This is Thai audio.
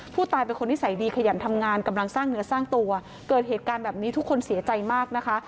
ผู้ตายเป็นคนนิสัยดีขยันทำงานกำลังสร้างเนื้อสร้างตัวเกิดเหตุการณ์แบบนี้ทุกคนเสียใจมากนะคะ